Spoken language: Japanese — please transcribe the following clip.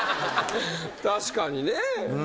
確かにね。